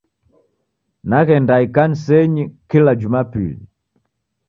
Naghenda ikanisenyi kila jumapili.